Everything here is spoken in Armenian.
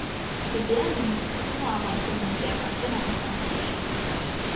Վիվիանն իր ուսումը ավարտում է, երբ արդեն ամուսնացած էր։